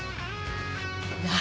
何？